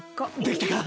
できたか？